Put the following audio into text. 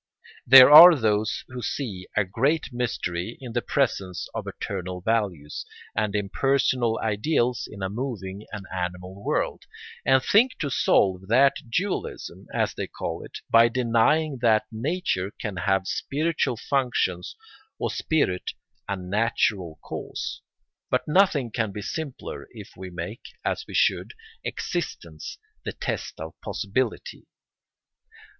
There are those who see a great mystery in the presence of eternal values and impersonal ideals in a moving and animal world, and think to solve that dualism, as they call it, by denying that nature can have spiritual functions or spirit a natural cause; but nothing can be simpler if we make, as we should, existence the test of possibility.